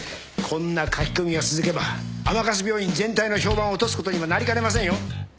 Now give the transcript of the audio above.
こんな書き込みが続けば甘春病院全体の評判を落とすことにもなりかねませんよ。